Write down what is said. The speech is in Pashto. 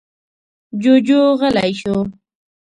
جوجو غلی شو.